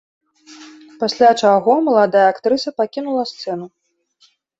Пасля чаго маладая актрыса пакінула сцэну.